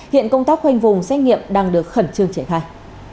hiện công tác khoanh vùng xét nghiệm đang được khẩn trương trẻ thai